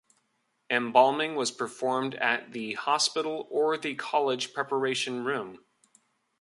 Embalming was performed at the hospital or the college preparation room.